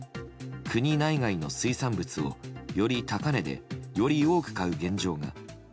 国内外の水産物をより高値でより多く買う現状が。